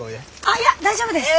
あっいや大丈夫です。